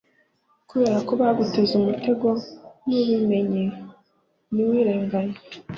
kubera ko baguteze umutego ntubimenye ntiwirenganye